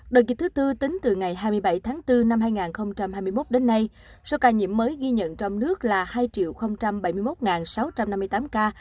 đợt dịch thứ tư tính từ ngày hai mươi bảy tháng bốn năm hai nghìn hai mươi một đến nay số ca nhiễm mới ghi nhận trong nước là hai bảy mươi một sáu trăm năm mươi tám ca